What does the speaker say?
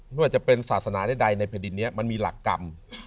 ไม่ว่าจะเป็นศาสนาใดในแผ่นดินนี้มันมีหลักกรรม